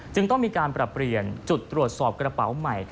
ต้องมีการปรับเปลี่ยนจุดตรวจสอบกระเป๋าใหม่